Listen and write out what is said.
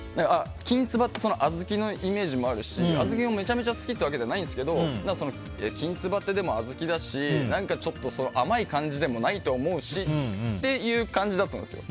きんつばって小豆のイメージもあるし小豆もめちゃめちゃ好きってわけじゃないんですけどきんつばって、小豆だしちょっと甘い感じでもないと思うしっていう感じだったんですよ。